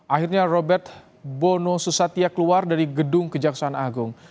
akhirnya robert bono susatya keluar dari gedung kejaksaan agung